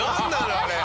あれ。